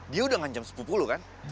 dia udah ngancam sepupu lu kan